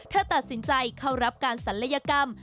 ตัดสินใจเข้ารับการศัลยกรรม